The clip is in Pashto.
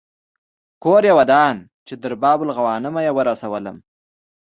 کور یې ودان چې تر باب الغوانمه یې ورسولم.